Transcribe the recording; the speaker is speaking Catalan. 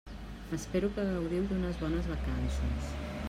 Espero que gaudiu d'unes bones vacances.